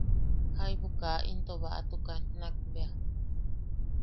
Jaibu ka into baʼatukan nakbea.